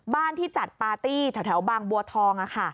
ที่จัดปาร์ตี้แถวบางบัวทอง